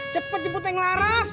cepet jemput yang laras